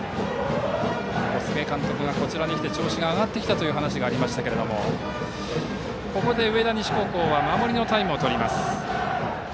小菅監督がこちらに来て調子が上がってきたという話がありましたがここで上田西は守りのタイムを取りました。